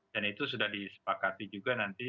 dan itu sudah disepakati juga nanti